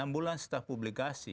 enam bulan setelah publikasi